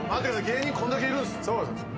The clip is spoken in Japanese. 芸人こんだけいるんす